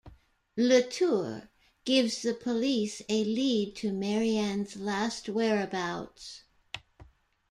LeTour gives the police a lead to Marianne's last whereabouts.